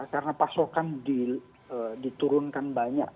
karena pasokan diturunkan banyak